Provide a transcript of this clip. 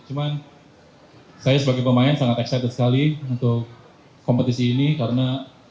cuman saya sebagai pemain sangat excited sekali untuk kompetisi ini karena